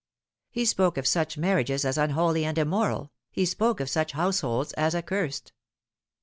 He spoke of such marriages as unholy and immoral, he spoke of such households as accursed.